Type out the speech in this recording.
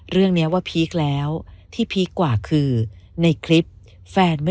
เรื่องนี้ว่าพีคแล้วที่พีคกว่าคือในคลิปแฟนไม่